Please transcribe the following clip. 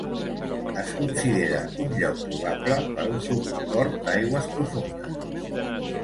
Es considera un lloc probable per a un futur port d'aigües profundes.